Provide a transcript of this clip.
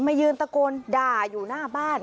ยืนตะโกนด่าอยู่หน้าบ้าน